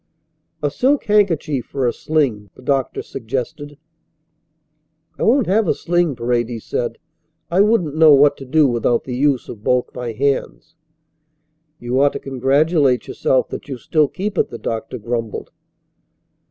"A silk handkerchief for a sling " the doctor suggested. "I won't have a sling," Paredes said. "I wouldn't know what to do without the use of both my hands." "You ought to congratulate yourself that you still keep it," the doctor grumbled.